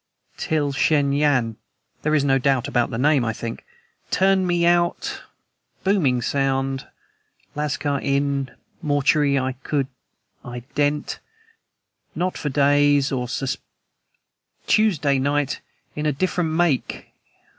. till Shen Yan' (there is no doubt about the name, I think) 'turned me out ... booming sound ... lascar in ... mortuary I could ident ... not for days, or suspici ... Tuesday night in a different make